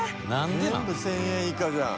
全部１０００円以下じゃん。